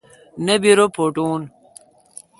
نہ بی رو پوٹون۔